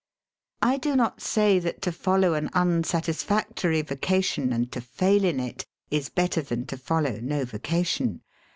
I do not say that to follow an unsatis factory vocation and to fail in it is better than to follow no vocation.